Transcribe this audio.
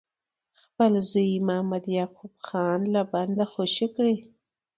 خپل زوی محمد یعقوب خان له بنده خوشي کړي.